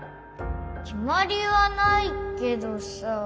きまりはないけどさ。